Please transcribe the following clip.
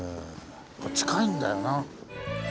近いんだよな。